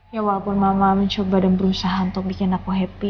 ya walaupun mama mencoba dan berusaha untuk bikin aku happy